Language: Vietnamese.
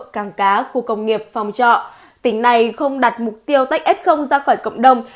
càng cá khu công nghiệp phòng trọ tỉnh này không đặt mục tiêu tách f ra khỏi cộng đồng